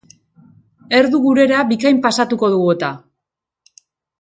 Erdu gurera bikain pasatuko dugu eta.